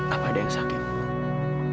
apa ada yang sakit